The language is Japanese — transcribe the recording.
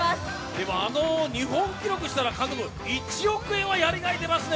でもあの日本記録の１億円はやりがいでますね。